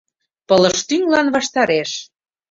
Пылыштӱҥлан ваштареш.